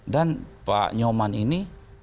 dan pak nyoman ini